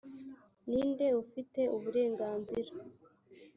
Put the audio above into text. ni nde ufite uburenganzira